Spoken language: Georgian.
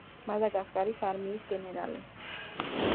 მადაგასკარის არმიის გენერალი.